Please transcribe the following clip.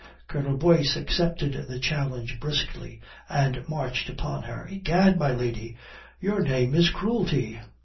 Colonel Boyce accepted the challenge briskly, and marched upon her. "Egad, my lady, your name is cruelty."